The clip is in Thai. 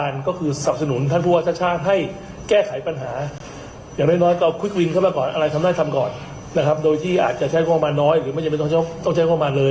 ซึ่งให้ท่านเหล่านั้นมาซัพพอร์ตท่านผู้ว่าชาติ